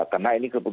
karena ini kebetulan